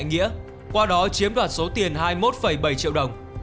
nghĩa qua đó chiếm đoạt số tiền hai mươi một bảy triệu đồng